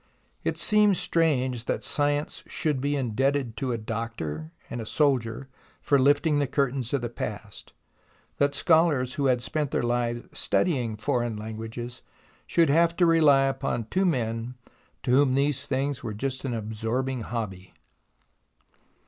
It seems strange that science should be indebted to a doctor and a soldier for lifting the curtains of the past, that scholars who had spent their lives studying foreign languages should have to rely upon two men to whom these things were just an absorbing hobby.